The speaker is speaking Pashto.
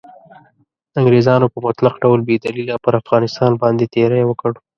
انګریزانو په مطلق ډول بې دلیله پر افغانستان باندې تیری وکړ.